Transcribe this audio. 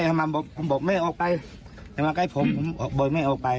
ผมบอกแม่ออกไปแม่มาใกล้ผมผมบอกแม่ออกไป